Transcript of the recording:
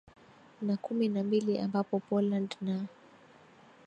na kumi na mbili ambapo poland na